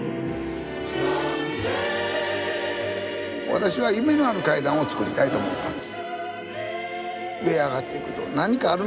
私は夢のある階段を作りたいと思ったんです。